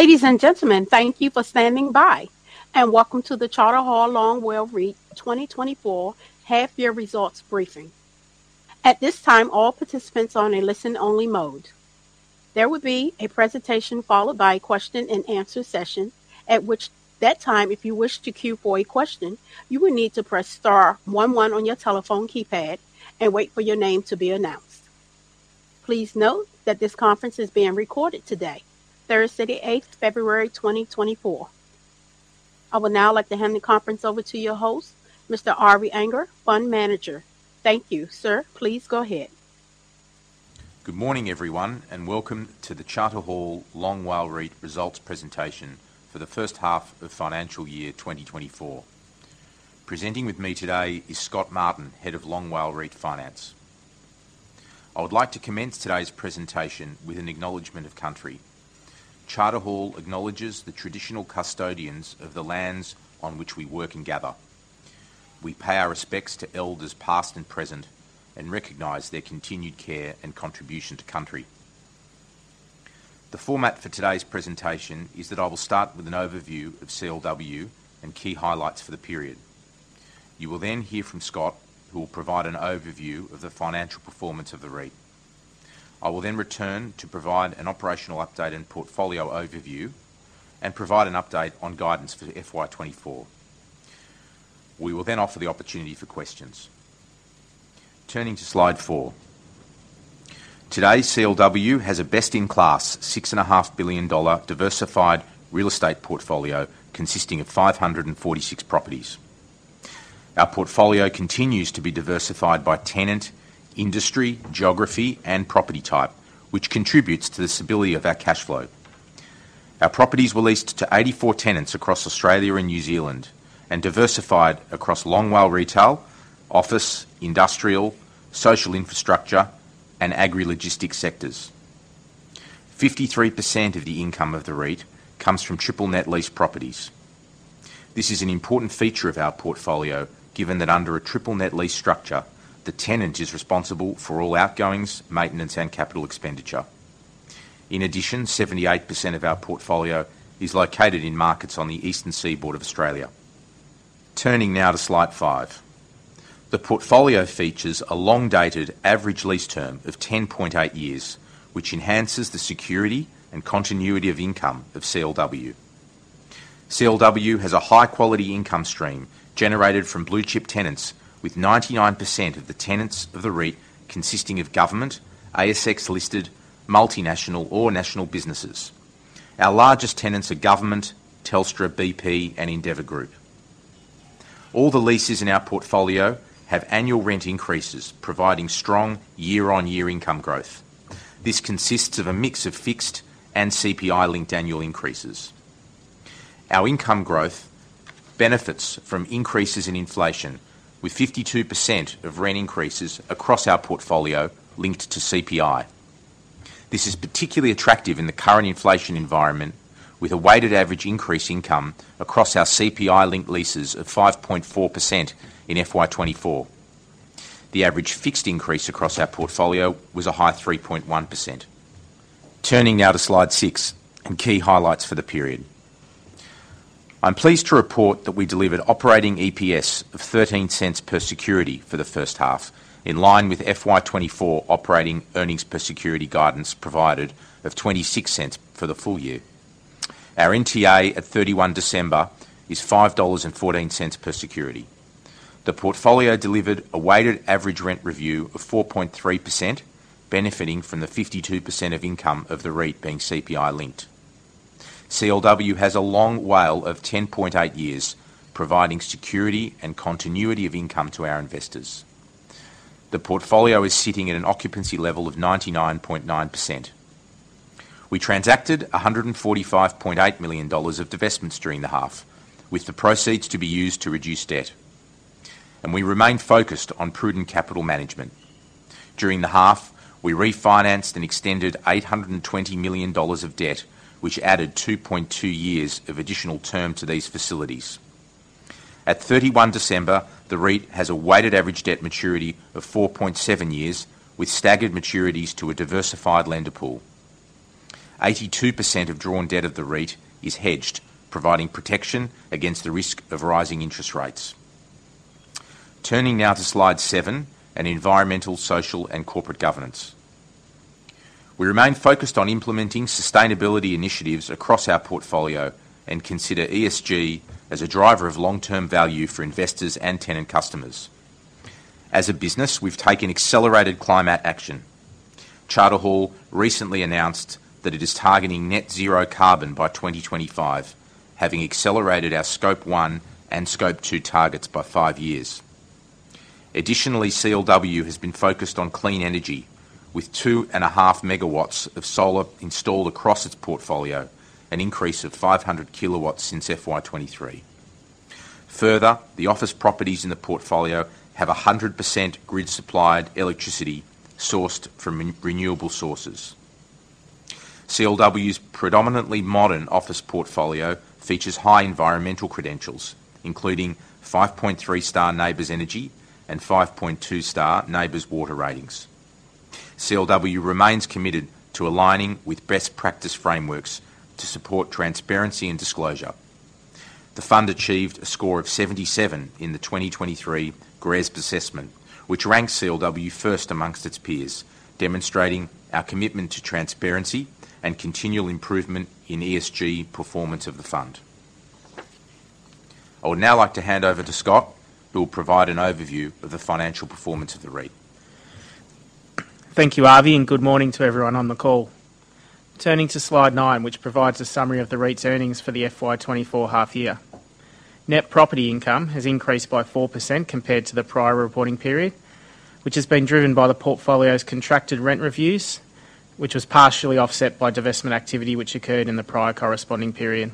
Ladies and gentlemen, thank you for standing by, and welcome to the Charter Hall Long WALE REIT 2024 half year results briefing. At this time, all participants are on a listen only mode. There will be a presentation followed by a question and answer session, at which that time, if you wish to queue for a question, you will need to press star one one on your telephone keypad and wait for your name to be announced. Please note that this conference is being recorded today, Thursday, the eighth February, 2024. I will now like to hand the conference over to your host, Mr. Avi Anger, Fund Manager. Thank you, sir. Please go ahead. Good morning, everyone, and welcome to the Charter Hall Long WALE REIT Results Presentation for the first half of financial year 2024. Presenting with me today is Scott Martin, Head of Long WALE REIT Finance. I would like to commence today's presentation with an acknowledgement of country. Charter Hall acknowledges the traditional custodians of the lands on which we work and gather. We pay our respects to elders, past and present, and recognize their continued care and contribution to country. The format for today's presentation is that I will start with an overview of CLW and key highlights for the period. You will then hear from Scott, who will provide an overview of the financial performance of the REIT. I will then return to provide an operational update and portfolio overview and provide an update on guidance for FY 2024. We will then offer the opportunity for questions. Turning to slide four. Today, CLW has a best-in-class 6.5 billion dollar diversified real estate portfolio, consisting of 546 properties. Our portfolio continues to be diversified by tenant, industry, geography, and property type, which contributes to the stability of our cash flow. Our properties were leased to 84 tenants across Australia and New Zealand and diversified across Long WALE retail, office, industrial, social infrastructure, and agri logistic sectors. 53% of the income of the REIT comes from triple net lease properties. This is an important feature of our portfolio, given that under a triple net lease structure, the tenant is responsible for all outgoings, maintenance, and capital expenditure. In addition, 78% of our portfolio is located in markets on the eastern seaboard of Australia. Turning now to slide five. The portfolio features a long-dated average lease term of 10.8 years, which enhances the security and continuity of income of CLW. CLW has a high-quality income stream generated from blue-chip tenants, with 99% of the tenants of the REIT consisting of government, ASX-listed, multinational or national businesses. Our largest tenants are Government, Telstra, BP and Endeavour Group. All the leases in our portfolio have annual rent increases, providing strong year-on-year income growth. This consists of a mix of fixed and CPI-linked annual increases. Our income growth benefits from increases in inflation, with 52% of rent increases across our portfolio linked to CPI. This is particularly attractive in the current inflation environment, with a weighted average increase income across our CPI-linked leases of 5.4% in FY 2024. The average fixed increase across our portfolio was a high 3.1%. Turning now to slide six and key highlights for the period. I'm pleased to report that we delivered operating EPS of 0.13 per security for the first half, in line with FY 2024 operating earnings per security guidance provided of 0.26 for the full year. Our NTA at 31 December is 5.14 dollars per security. The portfolio delivered a weighted average rent review of 4.3%, benefiting from the 52% of income of the REIT being CPI linked. CLW has a long WALE of 10.8 years, providing security and continuity of income to our investors. The portfolio is sitting at an occupancy level of 99.9%. We transacted 145.8 million dollars of divestments during the half, with the proceeds to be used to reduce debt, and we remain focused on prudent capital management. During the half, we refinanced and extended 820 million dollars of debt, which added 2.2 years of additional term to these facilities. At 31 December, the REIT has a weighted average debt maturity of 4.7 years, with staggered maturities to a diversified lender pool. 82% of drawn debt of the REIT is hedged, providing protection against the risk of rising interest rates. Turning now to slide seven, and environmental, social, and governance. We remain focused on implementing sustainability initiatives across our portfolio and consider ESG as a driver of long-term value for investors and tenant customers. As a business, we've taken accelerated climate action. Charter Hall recently announced that it is targeting net zero carbon by 2025, having accelerated our Scope 1 and Scope 2 targets by five years. Additionally, CLW has been focused on clean energy, with 2.5 MW of solar installed across its portfolio, an increase of 500 kW since FY 2023. Further, the office properties in the portfolio have 100% grid-supplied electricity sourced from renewable sources. CLW's predominantly modern office portfolio features high environmental credentials, including 5.3-star NABERS energy and 5.2-star NABERS water ratings.... CLW remains committed to aligning with best practice frameworks to support transparency and disclosure. The fund achieved a score of 77 in the 2023 GRESB assessment, which ranks CLW first amongst its peers, demonstrating our commitment to transparency and continual improvement in ESG performance of the fund. I would now like to hand over to Scott, who will provide an overview of the financial performance of the REIT. Thank you, Avi, and good morning to everyone on the call. Turning to slide nine, which provides a summary of the REIT's earnings for the FY 2024 half year. Net property income has increased by 4% compared to the prior reporting period, which has been driven by the portfolio's contracted rent reviews, which was partially offset by divestment activity, which occurred in the prior corresponding period.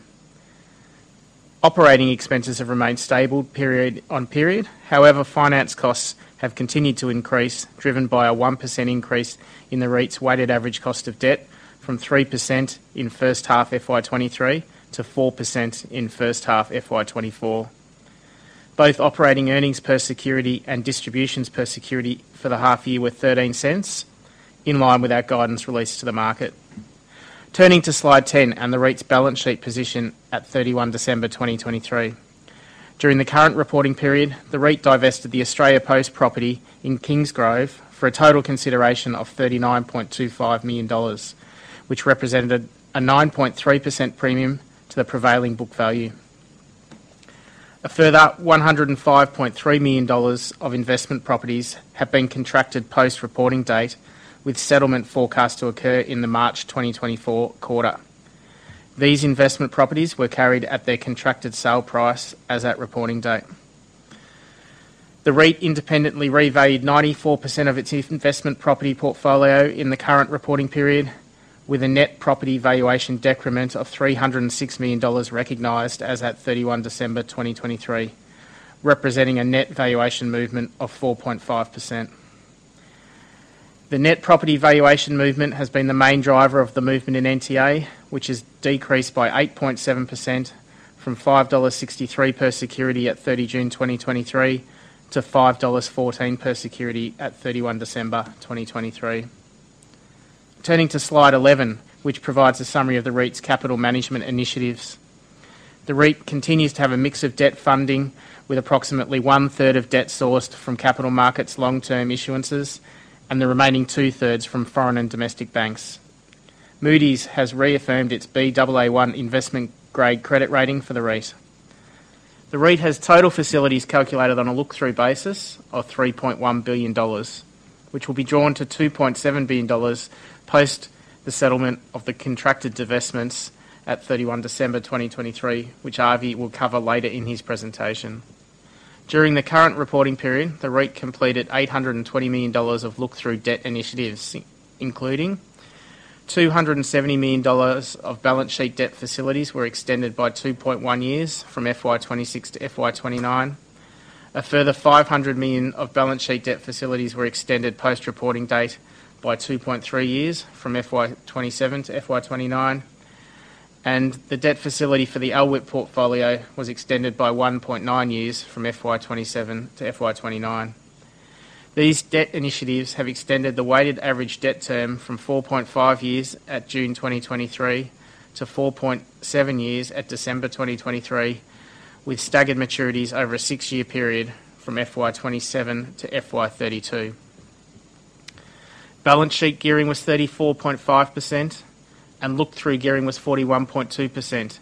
Operating expenses have remained stable period on period. However, finance costs have continued to increase, driven by a 1% increase in the REIT's weighted average cost of debt from 3% in first half FY 2023 to 4% in first half FY 2024. Both operating earnings per security and distributions per security for the half year were 0.13, in line with our guidance released to the market. Turning to slide 10 and the REIT's balance sheet position at 31 December 2023. During the current reporting period, the REIT divested the Australia Post property in Kingsgrove for a total consideration of 39.25 million dollars, which represented a 9.3% premium to the prevailing book value. A further 105.3 million dollars of investment properties have been contracted post-reporting date, with settlement forecast to occur in the March 2024 quarter. These investment properties were carried at their contracted sale price as at reporting date. The REIT independently revalued 94% of its investment property portfolio in the current reporting period, with a net property valuation decrement of 306 million dollars recognized as at 31 December 2023, representing a net valuation movement of 4.5%. The net property valuation movement has been the main driver of the movement in NTA, which has decreased by 8.7% from 5.63 dollars per security at 30 June 2023, to 5.14 dollars per security at 31 December 2023. Turning to slide 11, which provides a summary of the REIT's capital management initiatives. The REIT continues to have a mix of debt funding, with approximately one-third of debt sourced from capital markets long-term issuances, and the remaining two-thirds from foreign and domestic banks. Moody's has reaffirmed its Baa1 investment-grade credit rating for the REIT. The REIT has total facilities calculated on a look-through basis of 3.1 billion dollars, which will be drawn to 2.7 billion dollars post the settlement of the contracted divestments at 31 December 2023, which Avi will cover later in his presentation. During the current reporting period, the REIT completed 820 million dollars of look-through debt initiatives, including 270 million dollars of balance sheet debt facilities were extended by 2.1 years, from FY 2026 to FY 2029. A further 500 million of balance sheet debt facilities were extended post-reporting date by 2.3 years, from FY 2027 to FY 2029, and the debt facility for the LWIP portfolio was extended by 1.9 years from FY 2027 to FY 2029. These debt initiatives have extended the weighted average debt term from 4.5 years at June 2023, to 4.7 years at December 2023, with staggered maturities over a six-year period from FY 2027 to FY 2032. Balance sheet gearing was 34.5%, and look-through gearing was 41.2%,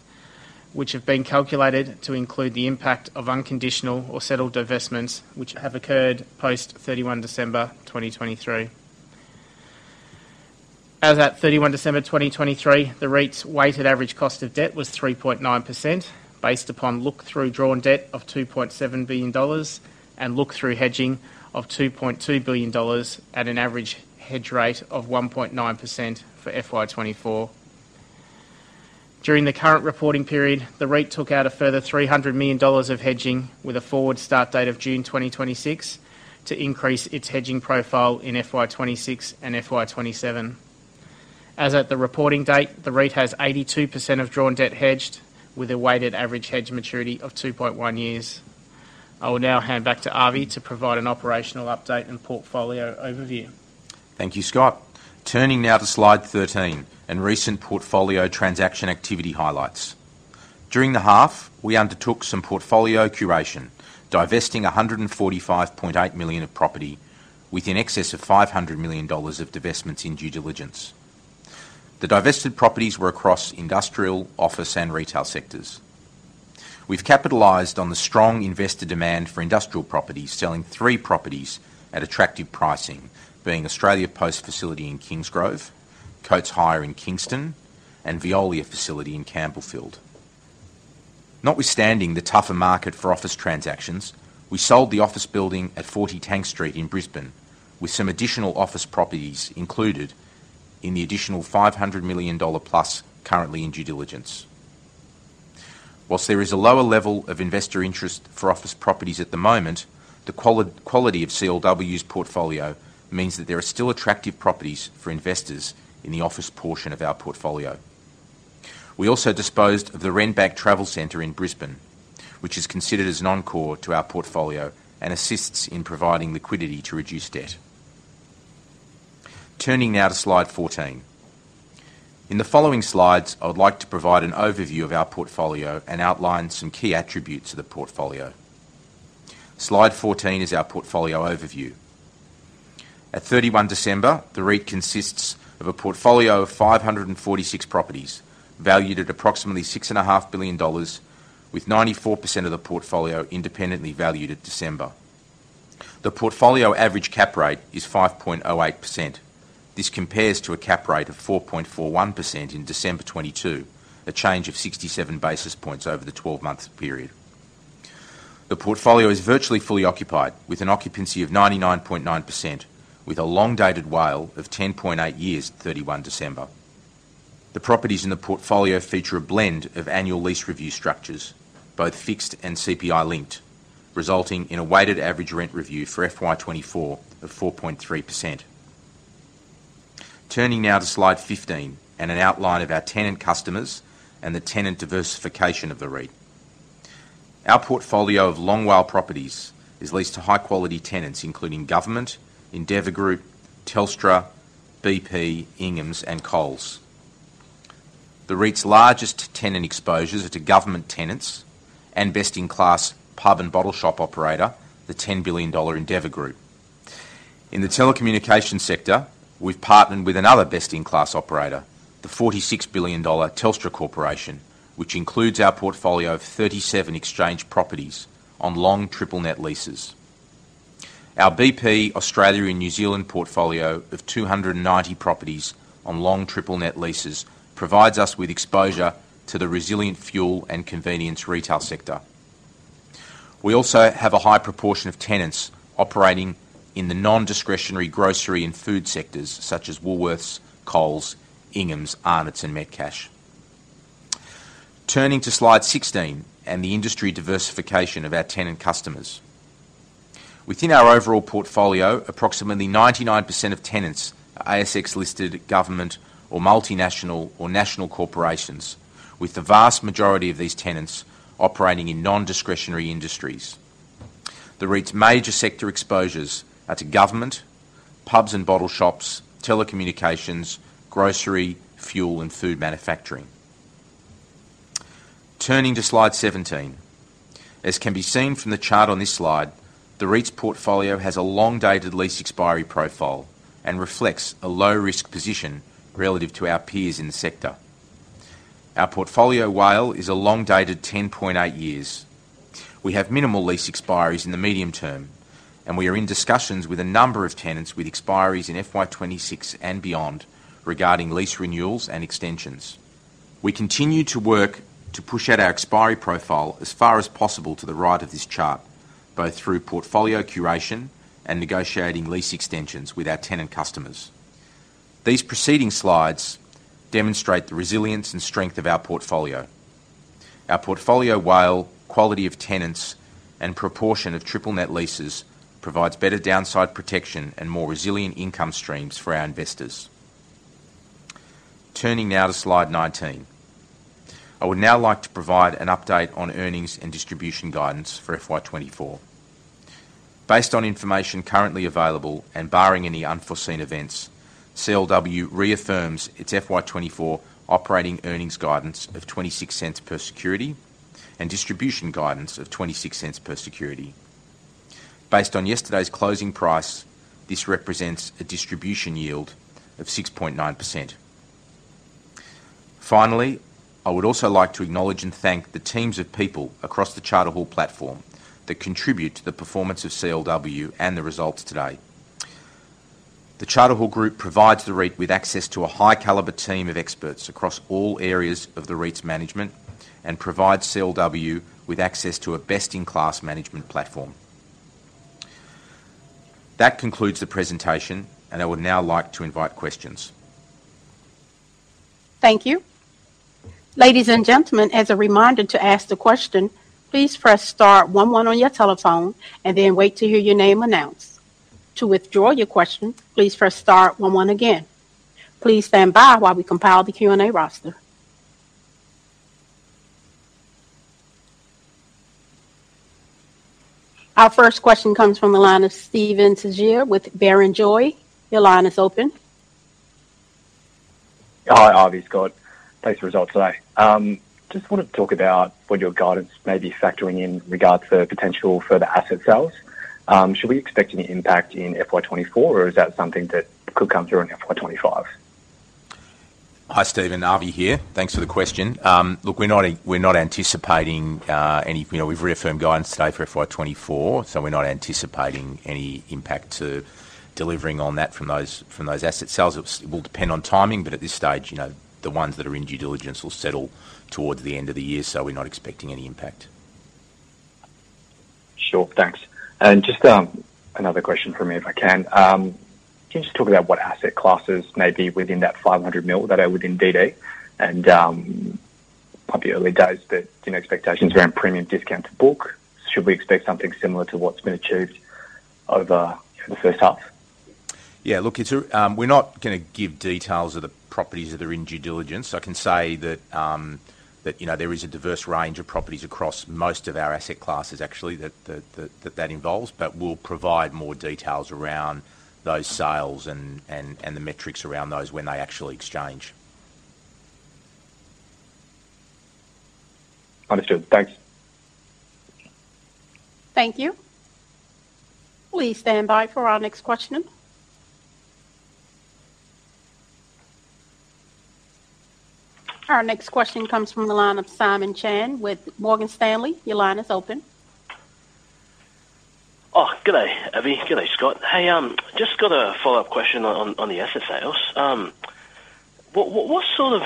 which have been calculated to include the impact of unconditional or settled divestments, which have occurred post 31 December 2023. As at 31 December 2023, the REIT's weighted average cost of debt was 3.9%, based upon look-through drawn debt of 2.7 billion dollars and look-through hedging of 2.2 billion dollars at an average hedge rate of 1.9% for FY 2024. During the current reporting period, the REIT took out a further 300 million dollars of hedging with a forward start date of June 2026, to increase its hedging profile in FY 2026 and FY 2027. As at the reporting date, the REIT has 82% of drawn debt hedged, with a weighted average hedge maturity of 2.1 years. I will now hand back to Avi to provide an operational update and portfolio overview. Thank you, Scott. Turning now to slide 13 and recent portfolio transaction activity highlights. During the half, we undertook some portfolio curation, divesting 145.8 million of property with in excess of 500 million dollars of divestments in due diligence. The divested properties were across industrial, office, and retail sectors. We've capitalized on the strong investor demand for industrial properties, selling 3 properties at attractive pricing, being Australia Post facility in Kingsgrove, Coates Hire in Kingston, and Veolia facility in Campbellfield. Notwithstanding the tougher market for office transactions, we sold the office building at 40 Tank Street in Brisbane, with some additional office properties included in the additional 500 million dollar plus currently in due diligence. Whilst there is a lower level of investor interest for office properties at the moment, the quality of CLW's portfolio means that there are still attractive properties for investors in the office portion of our portfolio. We also disposed of the Redbank Travel Centre in Brisbane, which is considered as non-core to our portfolio and assists in providing liquidity to reduce debt. Turning now to slide 14. In the following slides, I would like to provide an overview of our portfolio and outline some key attributes of the portfolio. Slide 14 is our portfolio overview. At 31 December, the REIT consists of a portfolio of 546 properties, valued at approximately 6.5 billion dollars, with 94% of the portfolio independently valued at December. The portfolio average cap rate is 5.08%. This compares to a cap rate of 4.41% in December 2022, a change of 67 basis points over the 12-month period. The portfolio is virtually fully occupied, with an occupancy of 99.9%, with a long-dated WALE of 10.8 years, 31 December. The properties in the portfolio feature a blend of annual lease review structures, both fixed and CPI-linked, resulting in a weighted average rent review for FY 2024 of 4.3%. Turning now to slide 15, and an outline of our tenant customers and the tenant diversification of the REIT. Our portfolio of long WALE properties is leased to high-quality tenants including government, Endeavour Group, Telstra, BP, Inghams, and Coles. The REIT's largest tenant exposures are to government tenants and best-in-class pub and bottle shop operator, the 10 billion dollar Endeavour Group. In the telecommunication sector, we've partnered with another best-in-class operator, the 46 billion dollar Telstra Corporation, which includes our portfolio of 37 exchange properties on long triple net leases. Our BP Australia and New Zealand portfolio of 290 properties on long triple net leases, provides us with exposure to the resilient fuel and convenience retail sector. We also have a high proportion of tenants operating in the non-discretionary grocery and food sectors, such as Woolworths, Coles, Inghams, Arnott's, and Metcash. Turning to slide 16, and the industry diversification of our tenant customers. Within our overall portfolio, approximately 99% of tenants are ASX-listed government or multinational or national corporations, with the vast majority of these tenants operating in non-discretionary industries. The REIT's major sector exposures are to government, pubs and bottle shops, telecommunications, grocery, fuel, and food manufacturing. Turning to slide 17. As can be seen from the chart on this slide, the REIT's portfolio has a long-dated lease expiry profile and reflects a low-risk position relative to our peers in the sector. Our portfolio WALE is a long-dated 10.8 years. We have minimal lease expiries in the medium term, and we are in discussions with a number of tenants with expiries in FY 2026 and beyond, regarding lease renewals and extensions. We continue to work to push out our expiry profile as far as possible to the right of this chart, both through portfolio curation and negotiating lease extensions with our tenant customers. These preceding slides demonstrate the resilience and strength of our portfolio. Our portfolio WALE, quality of tenants, and proportion of triple net leases provides better downside protection and more resilient income streams for our investors. Turning now to slide 19. I would now like to provide an update on earnings and distribution guidance for FY 2024. Based on information currently available and barring any unforeseen events, CLW reaffirms its FY 2024 operating earnings guidance of 0.26 per security and distribution guidance of 0.26 per security. Based on yesterday's closing price, this represents a distribution yield of 6.9%. Finally, I would also like to acknowledge and thank the teams of people across the Charter Hall platform that contribute to the performance of CLW and the results today. The Charter Hall group provides the REIT with access to a high caliber team of experts across all areas of the REIT's management and provides CLW with access to a best-in-class management platform. That concludes the presentation, and I would now like to invite questions. Thank you. Ladies and gentlemen, as a reminder to ask the question, please press star one one on your telephone and then wait to hear your name announced. To withdraw your question, please press star one one again. Please stand by while we compile the Q&A roster. Our first question comes from the line of Steven Tajir with Barrenjoey. Your line is open. Hi, Avi, Scott. Thanks for the results today. Just wanted to talk about what your guidance may be factoring in regards to potential further asset sales. Should we expect any impact in FY 2024, or is that something that could come through in FY 2025? Hi, Steven. Avi here. Thanks for the question. Look, we're not, we're not anticipating any. You know, we've reaffirmed guidance today for FY 2024, so we're not anticipating any impact to delivering on that from those, from those asset sales. It will depend on timing, but at this stage, you know, the ones that are in due diligence will settle towards the end of the year, so we're not expecting any impact. Sure. Thanks. And just, another question from me, if I can. Can you just talk about what asset classes may be within that 500 million that are within DD? And, probably early days, but, you know, expectations around premium discount to book, should we expect something similar to what's been achieved over the first half? ... Yeah, look, it's a, we're not gonna give details of the properties that are in due diligence. I can say that, that, you know, there is a diverse range of properties across most of our asset classes, actually, that involves, but we'll provide more details around those sales and the metrics around those when they actually exchange. Understood. Thanks. Thank you. Please stand by for our next question. Our next question comes from the line of Simon Chan with Morgan Stanley. Your line is open. Oh, good day, Avi. Good day, Scott. Hey, just got a follow-up question on the asset sales. What sort of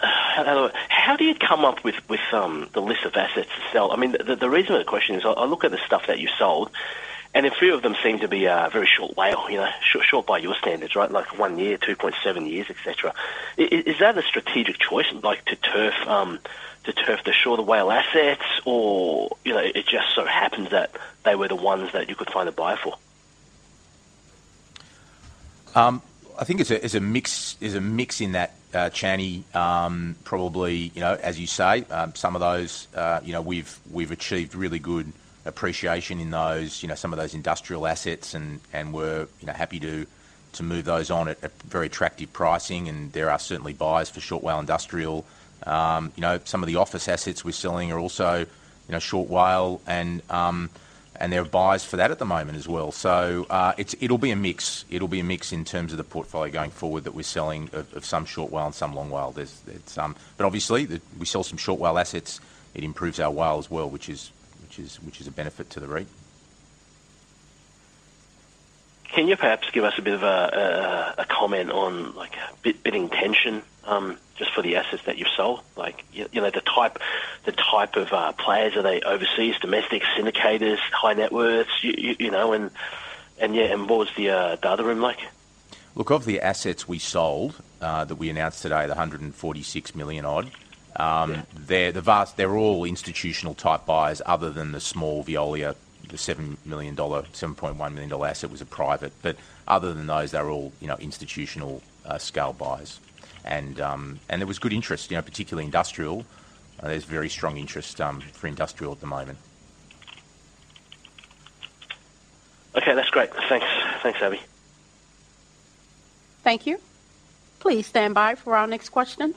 how do you come up with the list of assets to sell? I mean, the reason for the question is, I look at the stuff that you sold, and a few of them seem to be very short WALE, you know, short by your standards, right? Like 1 year, 2.7 years, et cetera. Is that a strategic choice, like, to turf the shorter WALE assets or, you know, it just so happens that they were the ones that you could find a buyer for? I think it's a mix. It's a mix in that, Chanie, probably, you know, as you say, some of those, you know, we've achieved really good appreciation in those, you know, some of those industrial assets, and we're, you know, happy to move those on at very attractive pricing, and there are certainly buyers for short WALE industrial. You know, some of the office assets we're selling are also, you know, short WALE, and there are buyers for that at the moment as well. So, it'll be a mix. It'll be a mix in terms of the portfolio going forward that we're selling of some short WALE and some long WALE. It's... But obviously, we sell some short WALE assets, it improves our WALE as well, which is a benefit to the REIT. Can you perhaps give us a bit of a comment on, like, a bit bidding tension, just for the assets that you've sold? Like, you know, the type of players. Are they overseas, domestic, syndicators, high net worths? You know, and yeah, and what was the other room like? Look, of the assets we sold, that we announced today, the 146 million odd, Yeah... They're all institutional-type buyers other than the small Veolia, the 7 million dollar, 7.1 million dollar asset was a private. But other than those, they're all, you know, institutional scale buyers. And there was good interest, you know, particularly industrial. There's very strong interest for industrial at the moment. Okay, that's great. Thanks. Thanks, Avi. Thank you. Please stand by for our next question.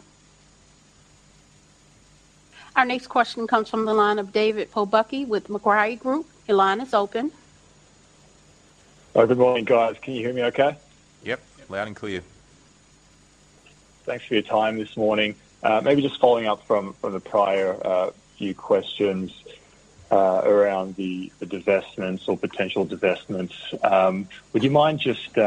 Our next question comes from the line of David Pobucki with Macquarie Group. Your line is open. Hi, good morning, guys. Can you hear me okay? Yep, loud and clear. Thanks for your time this morning. Maybe just following up from the prior few questions around the divestments or potential divestments. Would you mind just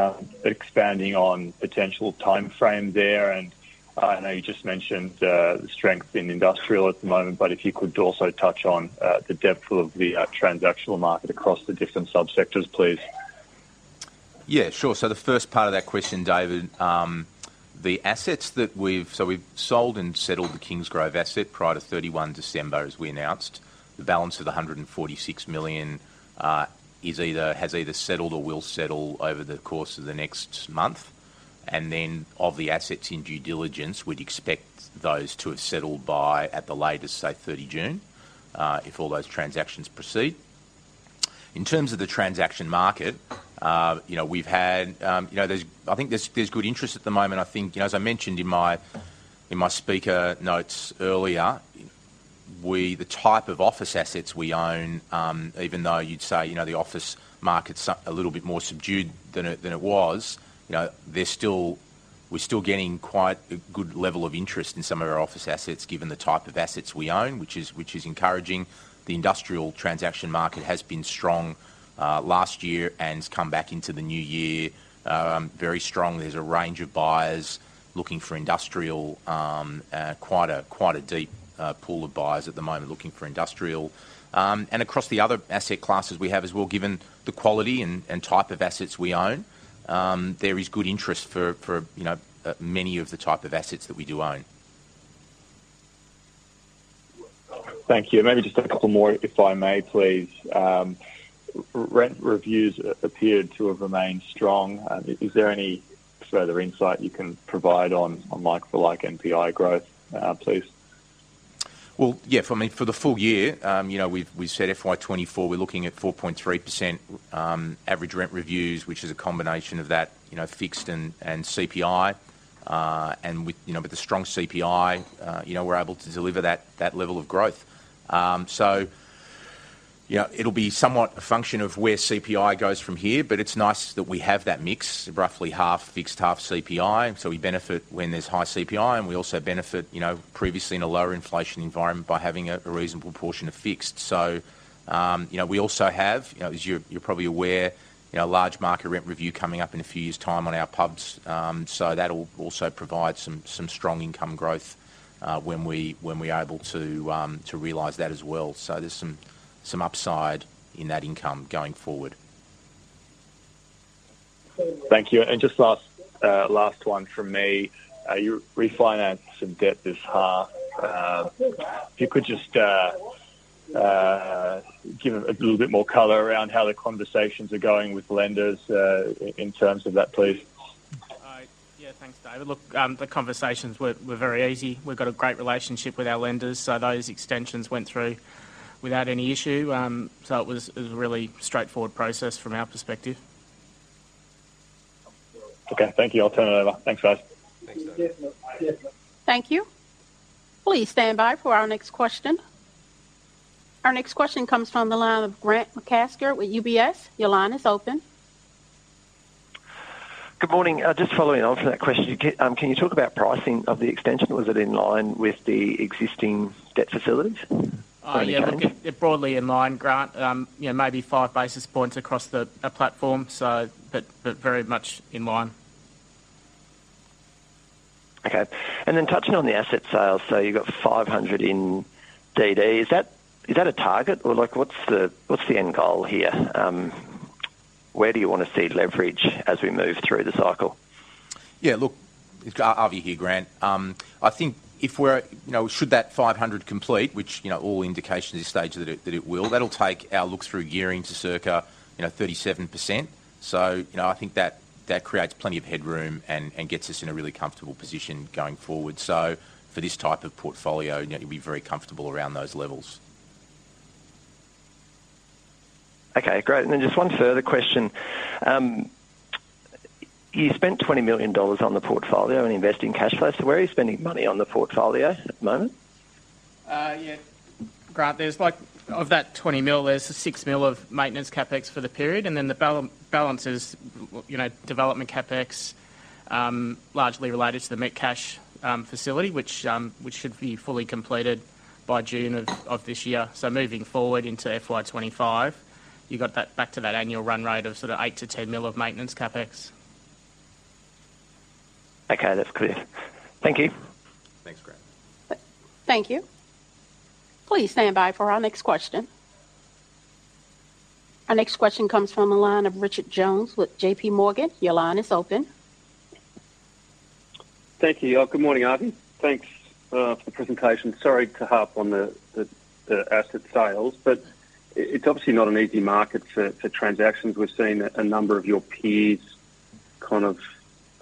expanding on potential timeframe there? And I know you just mentioned the strength in industrial at the moment, but if you could also touch on the depth of the transactional market across the different subsectors, please. Yeah, sure. So the first part of that question, David, the assets that we've sold and settled the Kingsgrove asset prior to 31 December, as we announced. The balance of the 146 million has either settled or will settle over the course of the next month. And then, of the assets in due diligence, we'd expect those to have settled by at the latest, say, 30 June, if all those transactions proceed. In terms of the transaction market, you know, we've had, you know, I think there's good interest at the moment. I think, you know, as I mentioned in my, in my speaker notes earlier, we, the type of office assets we own, even though you'd say, you know, the office market's a little bit more subdued than it, than it was, you know, they're still... We're still getting quite a good level of interest in some of our office assets, given the type of assets we own, which is, which is encouraging. The industrial transaction market has been strong, last year and has come back into the new year, very strongly. There's a range of buyers looking for industrial, quite a, quite a deep, pool of buyers at the moment looking for industrial. Across the other asset classes we have as well, given the quality and type of assets we own, there is good interest for, you know, many of the type of assets that we do own. Thank you. Maybe just a couple more, if I may, please. Rent reviews appeared to have remained strong. Is there any further insight you can provide on, on like-for-like NPI growth, please? Well, yeah, for me, for the full year, you know, we've said FY 2024, we're looking at 4.3% average rent reviews, which is a combination of that, you know, fixed and CPI. And with the strong CPI, you know, we're able to deliver that level of growth. So, you know, it'll be somewhat a function of where CPI goes from here, but it's nice that we have that mix, roughly half fixed, half CPI. So we benefit when there's high CPI, and we also benefit, you know, previously in a lower inflation environment by having a reasonable portion of fixed. So, you know, we also have, you know, as you're probably aware, you know, a large market rent review coming up in a few years' time on our pubs. That'll also provide some strong income growth when we are able to realize that as well. There's some upside in that income going forward. Thank you. And just last, last one from me. You refinanced some debt this half. If you could just give a little bit more color around how the conversations are going with lenders, in terms of that, please? Yeah, thanks, David. Look, the conversations were very easy. We've got a great relationship with our lenders, so those extensions went through without any issue. So it was a really straightforward process from our perspective. Okay, thank you. I'll turn it over. Thanks, guys. Thanks. Thank you. Please stand by for our next question. Our next question comes from the line of Grant McCasker with UBS. Your line is open. Good morning. Just following on from that question, can you talk about pricing of the extension? Was it in line with the existing debt facilities? Yeah, look, it's broadly in line, Grant. You know, maybe 5 basis points across the platform, so. But very much in line. Okay. Touching on the asset sales, so you've got 500 in DD. Is that, is that a target? Or like what's the, what's the end goal here? Where do you wanna see leverage as we move through the cycle? Yeah, look, it's Avi here, Grant. I think if we're, you know, should that 500 complete, which, you know, all indications at this stage that it, that it will, that'll take our look-through gearing to circa, you know, 37%. So, you know, I think that, that creates plenty of headroom and, and gets us in a really comfortable position going forward. So for this type of portfolio, you know, you'd be very comfortable around those levels. Okay, great. And then just one further question: you spent 20 million dollars on the portfolio and investing cash flow, so where are you spending money on the portfolio at the moment? Yeah. Grant, there's like, of that 20 million, there's a 6 million of maintenance CapEx for the period, and then the balance is, you know, development CapEx, largely related to the Metcash facility, which should be fully completed by June of this year. So moving forward into FY 2025, you got that back to that annual run rate of sort of 8 million-10 million of maintenance CapEx. Okay, that's clear. Thank you. Thanks, Grant. Thank you. Please standby for our next question. Our next question comes from the line of Richard Jones with JPMorgan. Your line is open. Thank you. Good morning, Avi. Thanks for the presentation. Sorry to harp on the asset sales, but it's obviously not an easy market for transactions. We've seen a number of your peers kind of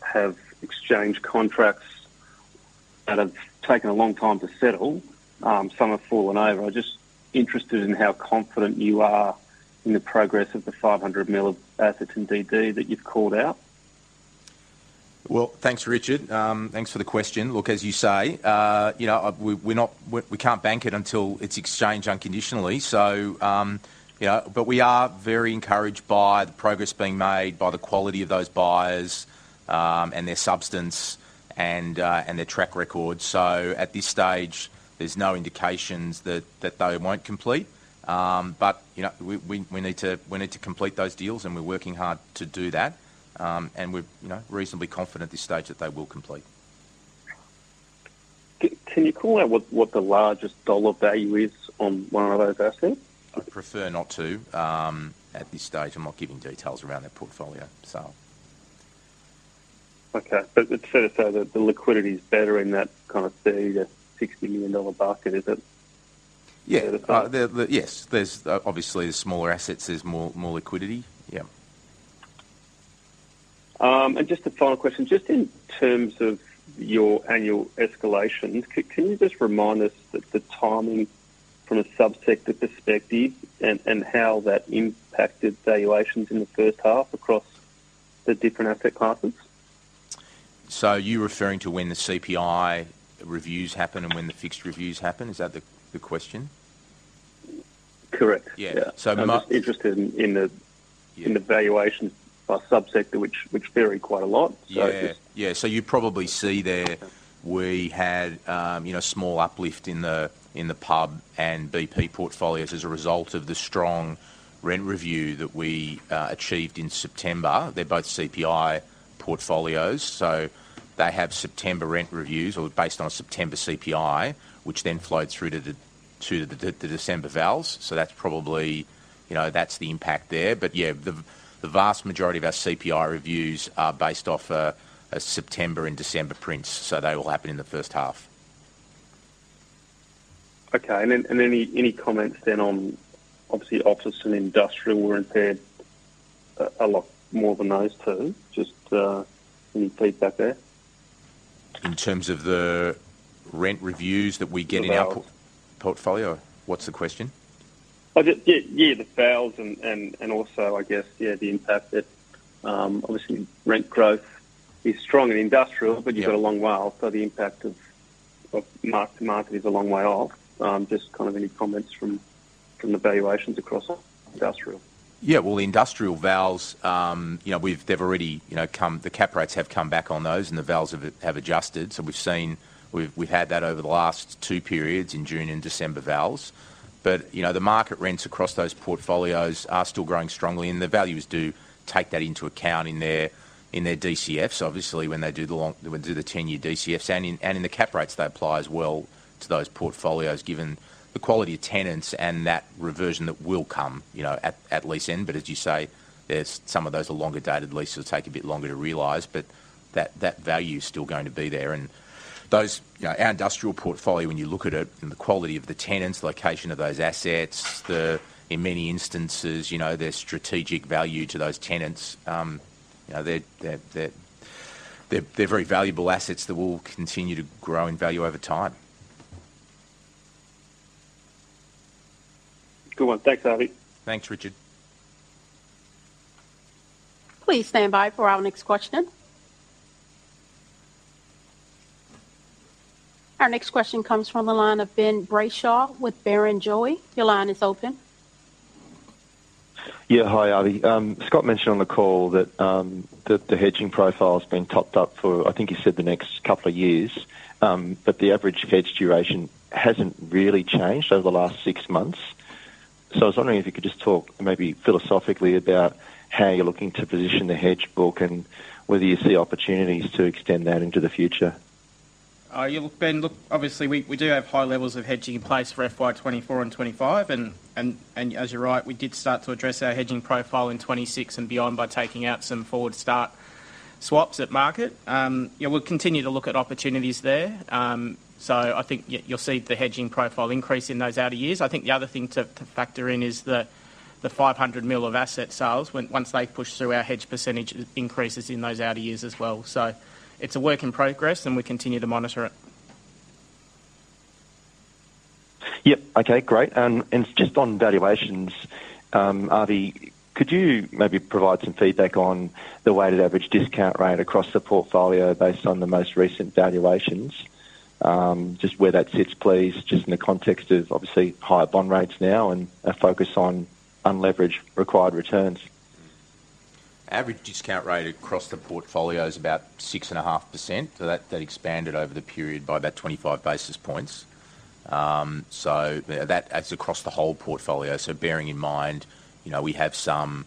have exchange contracts that have taken a long time to settle. Some have fallen over. I'm just interested in how confident you are in the progress of the 500 million of assets in DD that you've called out. Well, thanks, Richard. Thanks for the question. Look, as you say, you know, we're not, we can't bank it until it's exchanged unconditionally. So, yeah, but we are very encouraged by the progress being made, by the quality of those buyers, and their substance, and their track record. So at this stage, there's no indications that they won't complete. But, you know, we need to complete those deals, and we're working hard to do that. And we're, you know, reasonably confident at this stage that they will complete. Can you call out what the largest dollar value is on one of those assets? I'd prefer not to. At this stage, I'm not giving details around that portfolio, so... Okay. But it's fair to say that the liquidity is better in that kind of 30 million-60 million dollar bucket, is it? Yeah. That's all. Yes, there's obviously the smaller assets. There's more, more liquidity. Yeah. Just a final question. Just in terms of your annual escalations, can you just remind us the timing from a subsector perspective and how that impacted valuations in the first half across the different asset classes? So are you referring to when the CPI reviews happen and when the fixed reviews happen? Is that the question? Correct. Yeah. Yeah. So the ma- I'm just interested in the- Yeah... in the valuation by subsector, which vary quite a lot. So if you- Yeah. Yeah, so you probably see there, we had, you know, small uplift in the pub and BP portfolios as a result of the strong rent review that we achieved in September. They're both CPI portfolios, so they have September rent reviews or based on September CPI, which then flowed through to the December vals. So that's probably, you know, that's the impact there. But yeah, the vast majority of our CPI reviews are based off a September and December prints, so they all happen in the first half. Okay, and then any comments then on... Obviously, office and industrial were impaired a lot more than those two. Just, any feedback there? In terms of the rent reviews that we get- The vals... in our portfolio? What's the question? Yeah, the vals and also, I guess, yeah, the impact that, obviously, rent growth is strong in industrial- Yeah... but you've got a long WALE, so the impact of mark to market is a long way off. Just kind of any comments from the valuations across industrial. Yeah, well, the industrial vals, you know, they've already, you know, come, the cap rates have come back on those, and the vals have adjusted. So we've seen that over the last two periods, in June and December vals. But, you know, the market rents across those portfolios are still growing strongly, and the valuers do take that into account in their DCFs. Obviously, when they do the 10-year DCFs, and in the cap rates, they apply as well to those portfolios, given the quality of tenants and that reversion that will come, you know, at lease end. But as you say, there's some of those are longer dated leases will take a bit longer to realize, but that value is still going to be there. Those, you know, our industrial portfolio, when you look at it, and the quality of the tenants, location of those assets, the in many instances, you know, their strategic value to those tenants, you know, they're very valuable assets that will continue to grow in value over time. Good one. Thanks, Avi. Thanks, Richard. Please stand by for our next question. Our next question comes from the line of Ben Brayshaw with Barrenjoey. Your line is open. Yeah. Hi, Avi. Scott mentioned on the call that the hedging profile has been topped up for, I think he said, the next couple of years, but the average hedge duration hasn't really changed over the last six months. So I was wondering if you could just talk, maybe philosophically, about how you're looking to position the hedge book and whether you see opportunities to extend that into the future. Yeah, look, Ben, look, obviously, we do have high levels of hedging in place for FY 2024 and 2025, and as you're right, we did start to address our hedging profile in 2026 and beyond by taking out some forward start swaps at market. Yeah, we'll continue to look at opportunities there. So I think you'll see the hedging profile increase in those outer years. I think the other thing to factor in is the 500 million of asset sales. Once they push through our hedge percentage, it increases in those outer years as well. So it's a work in progress, and we continue to monitor it. Yep. Okay, great. Just on valuations, Avi, could you maybe provide some feedback on the weighted average discount rate across the portfolio based on the most recent valuations? Just where that sits, please, just in the context of obviously higher bond rates now and a focus on unleveraged required returns? Average discount rate across the portfolio is about 6.5%, so that, that expanded over the period by about 25 basis points. So that, that's across the whole portfolio. So bearing in mind, you know, we have some,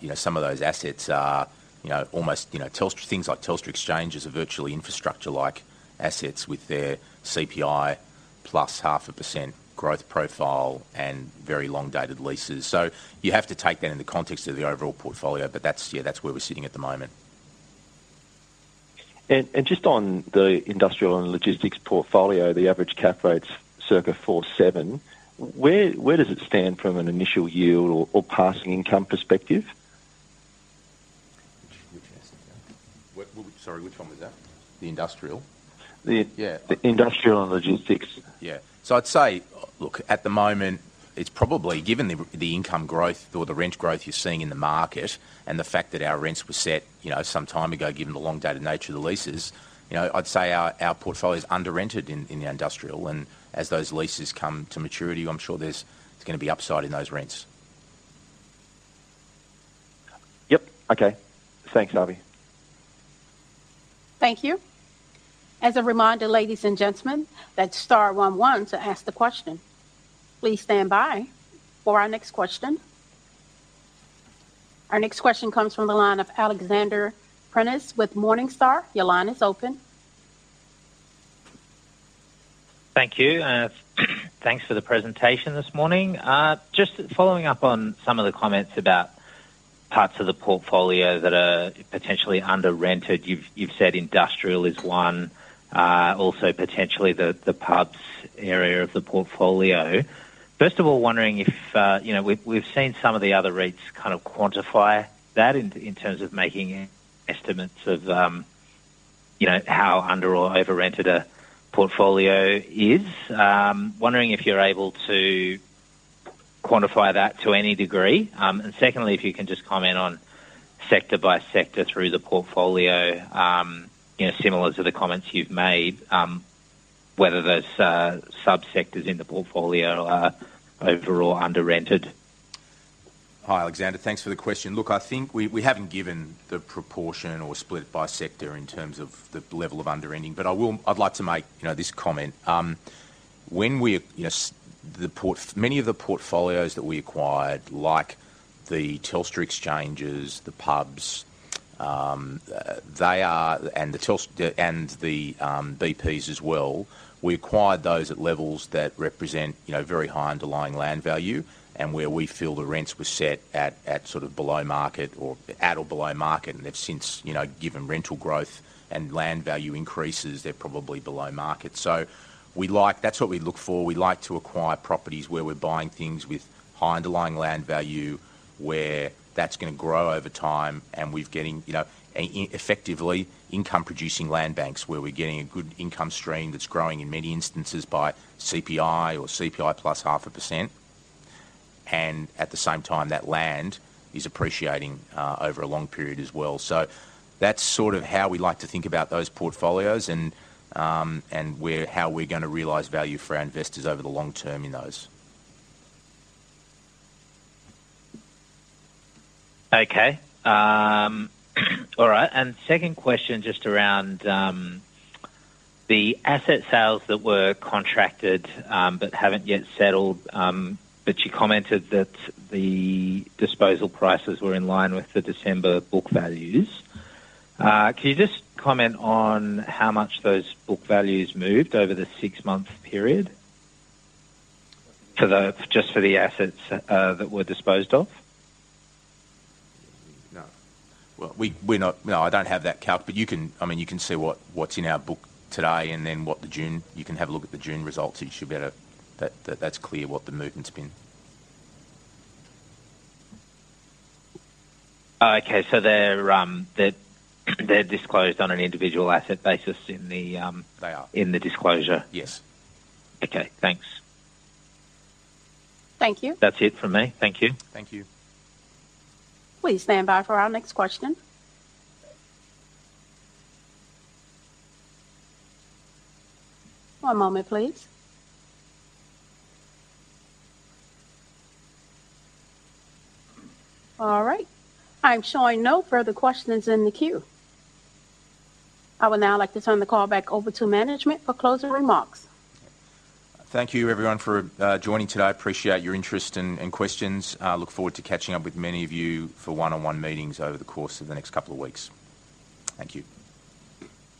you know, some of those assets are, you know, almost, you know, Telstra, things like Telstra Exchange is a virtually infrastructure like assets with their CPI, plus 0.5% growth profile and very long dated leases. So you have to take that in the context of the overall portfolio, but that's, yeah, that's where we're sitting at the moment. Just on the industrial and logistics portfolio, the average cap rate's circa 4.7. Where does it stand from an initial yield or passing income perspective? Which asset is that? Sorry, which one was that? The industrial? The- Yeah. The industrial and logistics. Yeah. So I'd say, look, at the moment, it's probably given the, the income growth or the rent growth you're seeing in the market, and the fact that our rents were set, you know, some time ago, given the long dated nature of the leases, you know, I'd say our, our portfolio is under-rented in, in the industrial, and as those leases come to maturity, I'm sure there's gonna be upside in those rents. Yep. Okay. Thanks, Avi. Thank you. As a reminder, ladies and gentlemen, that's star one one to ask the question. Please stand by for our next question. Our next question comes from the line of Alexander Prineas with Morningstar. Your line is open. Thank you, and thanks for the presentation this morning. Just following up on some of the comments about parts of the portfolio that are potentially under-rented. You've said industrial is one, also potentially the pubs area of the portfolio. First of all, wondering if you know, we've seen some of the other REITs kind of quantify that in terms of making estimates of you know, how under or over-rented a portfolio is. Wondering if you're able to quantify that to any degree? And secondly, if you can just comment on sector by sector through the portfolio, you know, similar to the comments you've made, whether those subsectors in the portfolio are overall under-rented. Hi, Alexander. Thanks for the question. Look, I think we, we haven't given the proportion or split by sector in terms of the level of under-renting, but I will. I'd like to make, you know, this comment. When we, you know, Many of the portfolios that we acquired, like the Telstra Exchanges, the pubs, they are, and the Telstra, and the BPs as well, we acquired those at levels that represent, you know, very high underlying land value and where we feel the rents were set at, at sort of below market or at or below market, and they've since, you know, given rental growth and land value increases, they're probably below market. So we like. That's what we look for. We like to acquire properties where we're buying things with high underlying land value, where that's gonna grow over time, and we're getting, you know, effectively, income producing land banks, where we're getting a good income stream that's growing in many instances by CPI or CPI plus half a percent, and at the same time, that land is appreciating over a long period as well. So that's sort of how we like to think about those portfolios and, and where, how we're gonna realize value for our investors over the long term in those. Okay. All right, and second question, just around the asset sales that were contracted but haven't yet settled, but you commented that the disposal prices were in line with the December book values. Can you just comment on how much those book values moved over the six-month period? For the-- Just for the assets that were disposed of? No. Well, we're not. No, I don't have that calc, but you can, I mean, you can see what's in our book today, and then what the June. You can have a look at the June results. You should be able to. That's clear what the movement's been. Oh, okay. So they're disclosed on an individual asset basis in the- They are. in the disclosure? Yes. Okay, thanks. Thank you. That's it from me. Thank you. Thank you. Please stand by for our next question. One moment, please. All right. I'm showing no further questions in the queue. I would now like to turn the call back over to management for closing remarks. Thank you, everyone, for joining today. I appreciate your interest and questions. I look forward to catching up with many of you for one-on-one meetings over the course of the next couple of weeks. Thank you.